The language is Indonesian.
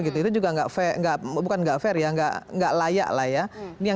itu juga tidak layak lah ya